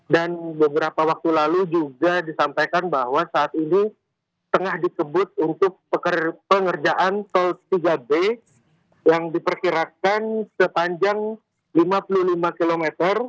dan beberapa waktu lalu juga disampaikan bahwa saat ini tengah dikebut untuk pekerjaan tol tiga b yang diperkirakan sepanjang lima puluh lima km